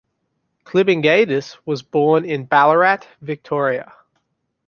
Klibingaitis was born in Ballarat, Victoria.